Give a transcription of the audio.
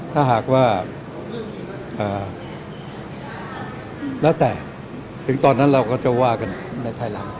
ถ้าหากว่าแล้วแต่ถึงตอนนั้นเราก็จะว่ากันในภายหลัง